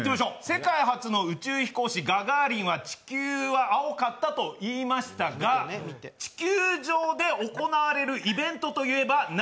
世界初の宇宙飛行士、ガガーリンは地球は青かったと言いましたが地球上で行われるイベントといえば、何？